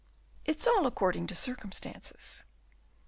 It's all according to circumstances."